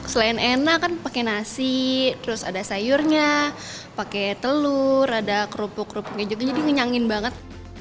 selain enak kan pakai nasi terus ada sayurnya pakai telur ada kerupuk kerupuk kayak gitu jadi ngenyangin banget